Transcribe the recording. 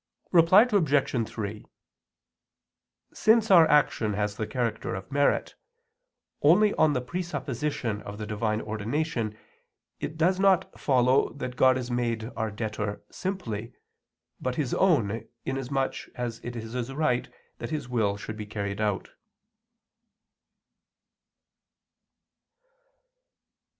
Reply Obj. 3: Since our action has the character of merit, only on the presupposition of the Divine ordination, it does not follow that God is made our debtor simply, but His own, inasmuch as it is right that His will should be carried out.